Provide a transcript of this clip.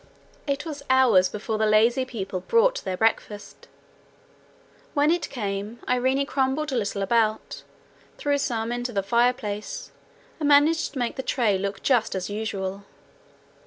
It was hours before the lazy people brought their breakfast. When it came, Irene crumbled a little about, threw some into the fireplace, and managed to make the tray look just as usual.